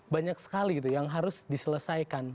banyak sekali gitu yang harus diselesaikan